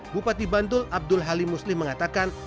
bupati bantul abdul halimusli mengatakan